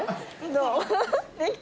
どう？